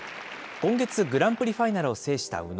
今月、グランプリファイナルを制した宇野。